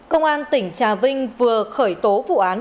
công an tỉnh trà vinh vừa khởi tố vụ án